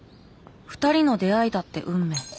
２人の出会いだって運命。